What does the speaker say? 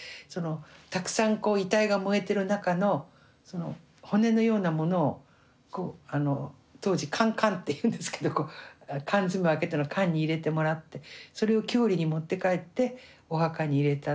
たくさん遺体が燃えてる中の骨のようなものを当時カンカンっていうんですけど缶詰あけたの缶に入れてもらってそれを郷里に持って帰ってお墓に入れた。